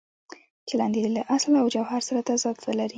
چلند یې له اصل او جوهر سره تضاد ولري.